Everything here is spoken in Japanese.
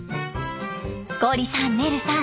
ゴリさんねるさん